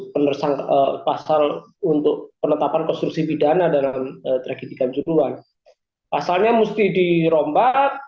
fl marshall untuk penetapan konstruksi pidana dengan tragedikan judul pasalnya mesti dirombak